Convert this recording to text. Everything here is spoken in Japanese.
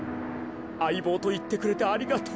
あいぼうといってくれてありがとう。